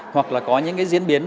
hoặc là có những diễn biến